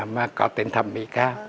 mà có tính thẩm mỹ cao